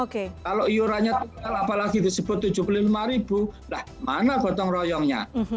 kalau iurannya apalagi disebut tujuh puluh lima ribu lah mana potong royongnya